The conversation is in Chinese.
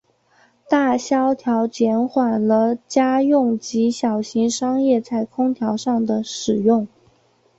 大萧条减缓了家用及小型商业在空调上的使用。